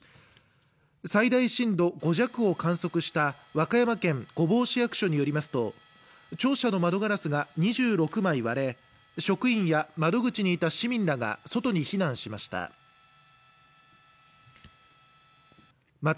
最大震度５弱を観測した和歌山県御坊市役所によりますと庁舎の窓ガラスが２６枚割れ職員や窓口にいた市民らが外に避難しました